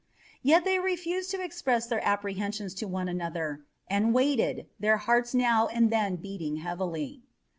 Yet they refused to express their apprehensions to one another, and waited, their hearts now and then beating heavily.